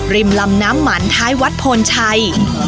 ริมลำน้ำมันท้ายวัดโพนชัย